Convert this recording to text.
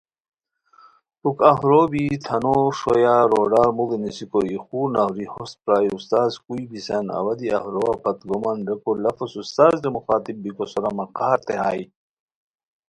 پُھک اف رو بی تھانو ݰویہ روڈار موڑی نیسیکو وا ای خور نفری ہوست پرائے استاذ کُوئی بیسان، اوا دی اف رووا پت گومان ریکو لفظ استاذ رے مخاطب بیکو سورا مہ قہر تھے ہائے